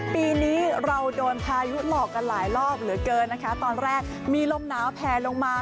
ปีนี้เราโดนพายุหลอกกันหลายรอบเหลือเกินนะคะตอนแรกมีลมหนาวแผลลงมา